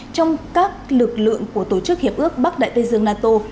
trong các lực lượng của tổ chức hiệp ước bắc đại tây dương nato